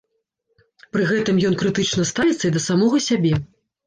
Пры гэтым ён крытычна ставіцца і да самога сябе.